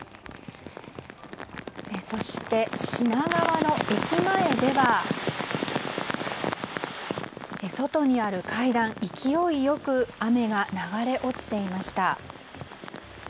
そして、品川駅前では外にある階段、勢いよく雨が流れ落ちていました。